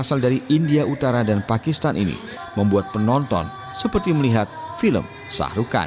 berasal dari india utara dan pakistan ini membuat penonton seperti melihat film sahrukan